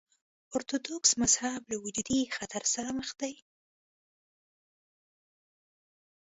ارتوډوکس مذهب له وجودي خطر سره مخ دی.